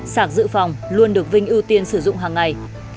sạc dự phòng luôn được vinh ưu tiên sử dụng hàng ngày